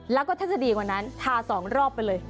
แล้วก็ถ้าจะดีกว่านั้นทา๒รอบไปเลย